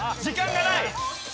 時間がない！